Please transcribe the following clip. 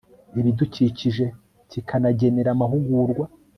ibidukikije kikanagenera amahugurwa